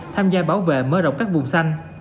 tham gia bảo vệ mơ rộng các vùng xanh